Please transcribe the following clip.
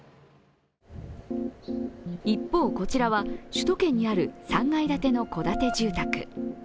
一方、こちらは首都圏にある３階建ての戸建て住宅。